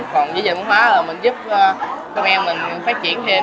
còn giữ dành văn hóa là mình giúp con em mình phát triển thêm